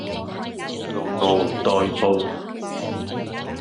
嗷嗷待哺